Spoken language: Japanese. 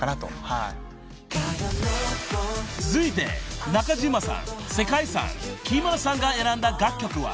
［続いて中島さん世界さん木村さんが選んだ楽曲は］